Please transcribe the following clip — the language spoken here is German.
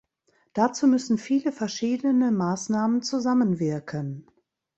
Dazu müssen viele verschiedene Maßnahmen zusammenwirken.